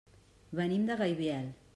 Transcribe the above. Venim de Gaibiel.